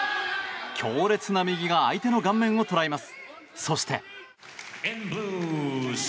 強烈な右が顔面を捉えます。